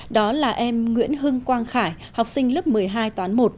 đó là em nguyễn hưng quang khải học sinh lớp một mươi hai toán một